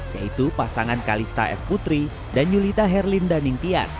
yaitu pasangan kalista f putri dan yulita herlin dhanintian